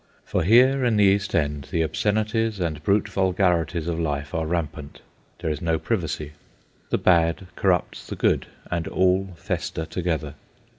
For here, in the East End, the obscenities and brute vulgarities of life are rampant. There is no privacy. The bad corrupts the good, and all fester together.